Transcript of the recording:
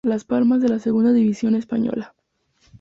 Las Palmas de la segunda división española.